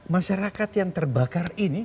masyarakat yang terbakar ini